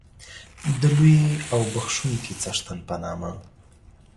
د لوی او بخښونکی څښتن په نامه